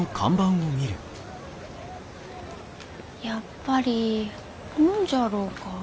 やっぱり本じゃろうか。